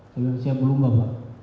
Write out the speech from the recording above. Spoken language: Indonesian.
saya bilang siap belum bapak